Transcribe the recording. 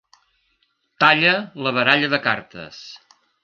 Talla la baralla de cartes.